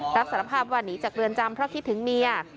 รับสารภาพว่าหนีจากเรือนจำเพราะคิดถึงเมีย